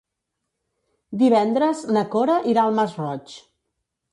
Divendres na Cora irà al Masroig.